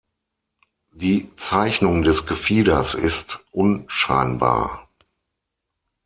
Die Zeichnung des Gefieders ist unscheinbar.